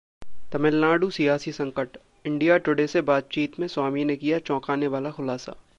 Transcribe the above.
तमिलनाडु सियासी संकट: India Today से बातचीत में स्वामी ने किया चौंकाने वाला खुलासा